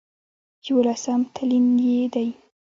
يوولسم تلين يې دی